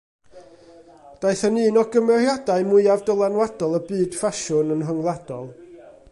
Daeth yn un o gymeriadau mwyaf dylanwadol y byd ffasiwn, yn rhyngwladol.